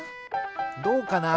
どうかな？